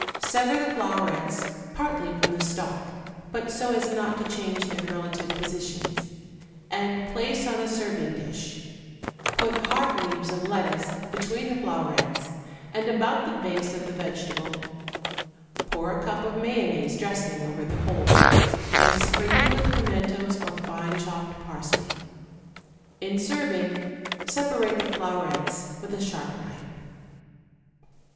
Sever the flowerets partly from the stalk, but so as not to change their relative positions, and place on a serving dish; put heart leaves of lettuce between the flowerets and about the base of the vegetable; pour a cup of mayonnaise dressing over the whole, and sprinkle with pimentos or fine chopped parsley. In serving, separate the flowerets with a sharp knife.